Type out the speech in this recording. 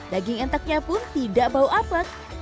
daging entoknya pun tidak bau apet